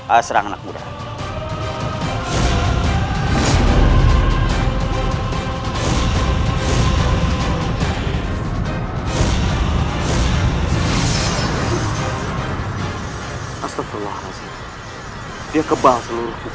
astagfirullahaladzim dia kebal seluruh